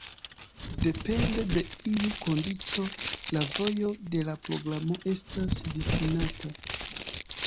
Depende de iu kondiĉo la vojo de la programo estas difinata.